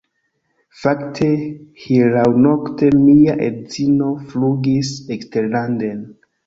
Fakte, hieraŭnokte mia edzino flugis eksterlanden